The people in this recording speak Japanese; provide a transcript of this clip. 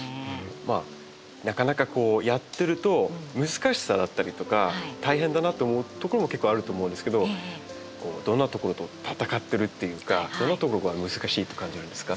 まあなかなかこうやってると難しさだったりとか大変だなと思うところも結構あると思うんですけどどんなところと闘ってるっていうかどんなところが難しいと感じるんですか？